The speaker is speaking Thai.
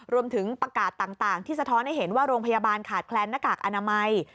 รวมถึงประกาศต่างที่สะท้อนให้เห็นว่าโรงพยาบาลขาดแคลนหน้ากากอนามัย